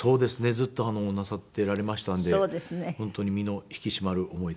ずっとなさってられましたんで本当に身の引き締まる思いでございます。